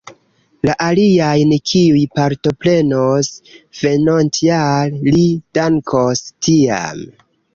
La aliajn, kiuj partoprenos venontjare, li dankos tiam.